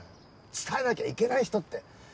伝えなきゃいけない人って。